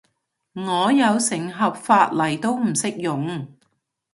我有成盒髮泥都唔識用